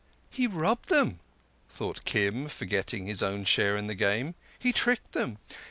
"He robbed them," thought Kim, forgetting his own share in the game. "He tricked them.